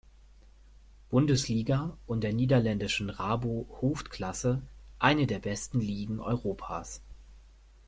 Bundesliga und der niederländischen Rabo Hoofdklasse eine der besten Ligen Europas.